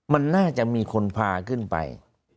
มันน่าจะมีคนพาขึ้นไป